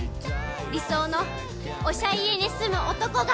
理想のおしゃ家に住む男が